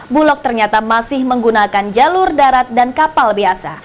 bulog ternyata masih menggunakan jalur darat dan kapal biasa